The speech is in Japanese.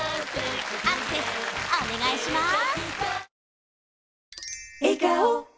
アクセスお願いします